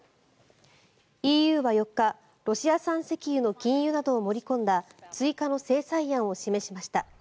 ＥＵは４日ロシア産石油の禁輸などを盛り込んだ追加の制裁案を示しました。